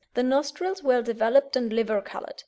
The nostrils well developed and liver colour.